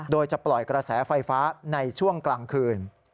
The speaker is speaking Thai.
โดยจะปล่อยกระแสไฟฟ้าในช่วงกลางคืน